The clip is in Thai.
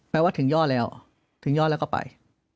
ว่าถึงย่อแล้วถึงย่อแล้วก็ไป